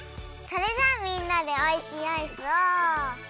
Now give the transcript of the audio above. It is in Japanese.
それじゃあみんなでおいしいアイスを。